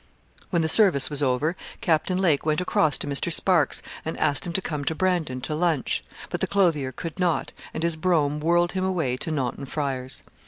When the service was over Captain Lake went across to Mr. Sparks, and asked him to come to Brandon to lunch. But the clothier could not, and his brougham whirled him away to Naunton Friars.